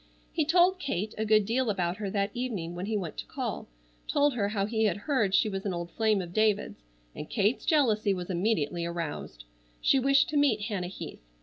He told Kate a good deal about her that evening when he went to call, told her how he had heard she was an old flame of David's, and Kate's jealousy was immediately aroused. She wished to meet Hannah Heath.